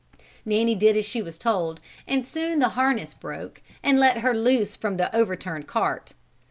Nanny did as she was told and soon the harness broke and let her loose from the overturned cart.